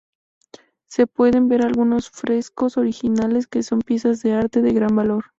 Se pueden ver algunos frescos originales que son piezas de arte de gran valor.